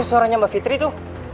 suaranya mbak fitri tuh